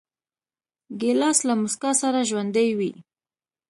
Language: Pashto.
ګیلاس له موسکا سره ژوندی وي.